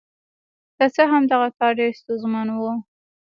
که څه هم دغه کار ډېر ستونزمن و.